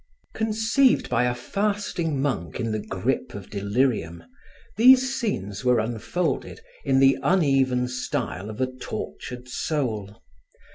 Conceived by a fasting monk in the grip of delirium, these scenes were unfolded in the uneven style of a tortured soul.